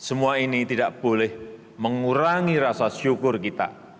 semua ini tidak boleh mengurangi rasa syukur kita